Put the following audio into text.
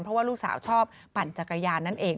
เพราะว่าลูกสาวชอบปั่นจักรยานนั่นเอง